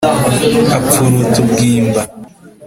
Apfuruta ubwimba